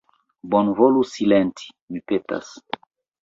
Bonvolu silenti, mi petas.